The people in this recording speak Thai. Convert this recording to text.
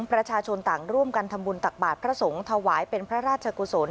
ประชาชนต่างร่วมกันทำบุญตักบาทพระสงฆ์ถวายเป็นพระราชกุศล